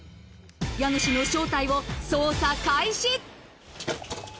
家主の正体を捜査開始。